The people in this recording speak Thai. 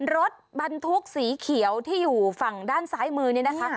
รถบรรทุกสีเขียวที่อยู่ฝั่งด้านซ้ายมือนี่นะคะ